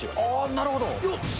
なるほど。